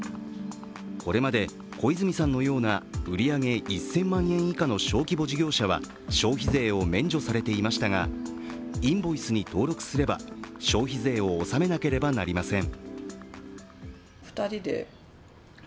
これまで小泉さんのような売り上げ１０００万円以下の小規模事業者は消費税を免除されていましたが、インボイスに登録すれば消費税を納めなければなりません。